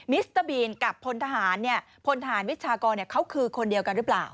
สเตอร์บีนกับพลทหารพลทหารวิชากรเขาคือคนเดียวกันหรือเปล่า